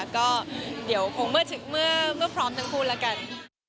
ก็เดี๋ยวคงเมื่อพร้อมทั้งคู่แล้วกัน